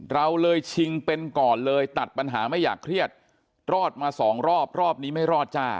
เราเลยชิงเป็นก่อนเลยตัดปัญหาไม่อยากเครียดรอดมาสองรอบรอบนี้ไม่รอดจ้า